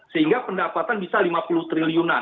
sehingga pendapatan bisa lima puluh triliunan